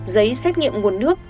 giấy xét nghiệm nguồn nước